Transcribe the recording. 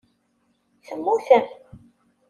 Temmutem.